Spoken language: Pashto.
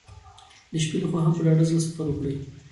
د شپې له خوا هم په ډاډه زړه سفر وکړئ.